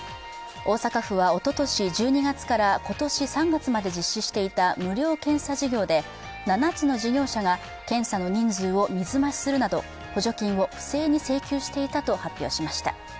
大阪府はおととし１２月から今年３月まで実施していた無料検査事業で、７つの事業者が検査の人数を水増しするなど補助金を不正に請求していたと発表しました。